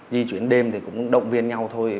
di chuyển đêm thì cũng động viên nhau thôi